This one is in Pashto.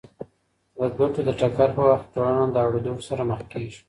د ګټو د ټکر په وخت کي ټولنه له اړودوړ سره مخ کېږي.